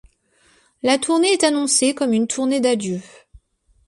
La tournée est annoncée comme une tournée d'adieu.